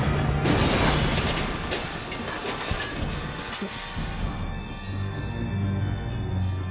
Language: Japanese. あっ。